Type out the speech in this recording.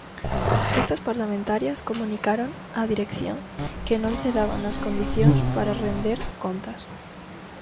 Estas parlamentarias comunicaron á dirección que non se daban as condicións para render contas.